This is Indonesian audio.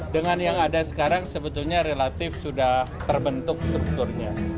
dengan yang ada sekarang sebetulnya relatif sudah terbentuk strukturnya